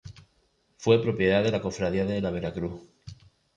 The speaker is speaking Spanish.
Fue propiedad de la cofradía de la Vera Cruz.